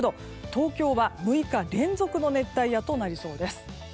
東京は６日連続の熱帯夜となりそうです。